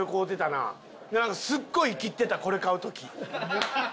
なんかすっごいイキってたこれ買う時。